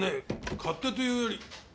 勝手と言うより。